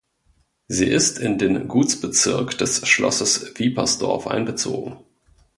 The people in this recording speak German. Sie ist in den Gutsbezirk des Schlosses Wiepersdorf einbezogen.